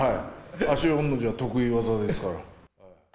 足４の字は得意技ですから。